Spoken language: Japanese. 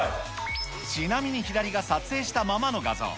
ちなみに左が撮影したままの画像。